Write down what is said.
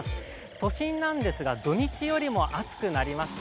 都心なんですが、土日よりも暑くなりました。